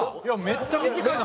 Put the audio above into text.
めっちゃ短いの。